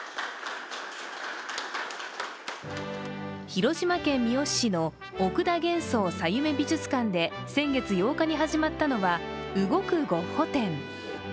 広島県三次市の奥田元宋・小由女美術館で先月８日に始まったのは、動くゴッホ展。